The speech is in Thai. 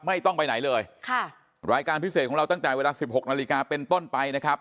ไม่ต้องไปไหนเลยค่ะรายการพิเศษของเราตั้งแต่เวลาสิบหกนาฬิกาเป็นต้นไปนะครับ